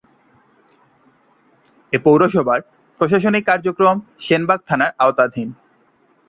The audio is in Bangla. এ পৌরসভার প্রশাসনিক কার্যক্রম সেনবাগ থানার আওতাধীন।